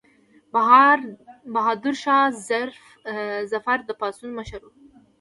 بهادر شاه ظفر د پاڅون مشر شو.